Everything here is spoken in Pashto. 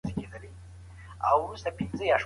آیا د استاد رشاد ليکنې ولولئ؟